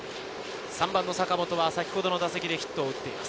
３番・坂本は先ほどの打席でヒットを打っています。